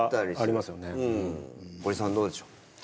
コジさんどうでしょう？